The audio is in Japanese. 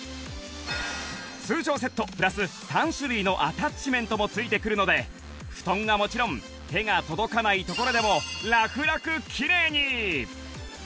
通常セットプラス３種類のアタッチメントも付いてくるので布団はもちろん手が届かない所でもラクラクきれいに！